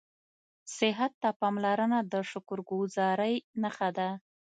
صحت ته پاملرنه د شکرګذارۍ نښه ده